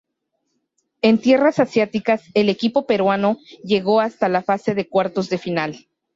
En tierras asiáticas, el equipo peruano llegó hasta la fase de cuartos de final.